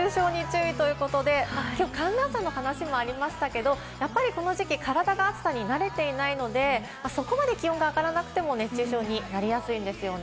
寒暖差の話がありましたけど、この時期、体が暑さに慣れていないので、そこまで気温が上がらなくても熱中症になりやすいんですよね。